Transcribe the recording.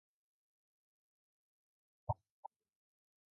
It was called Mormon Grove and was near the Missouri River and Atchison.